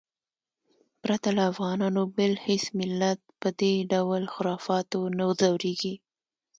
پرته له افغانانو بل هېڅ ملت په دې ډول خرافاتو نه ځورېږي.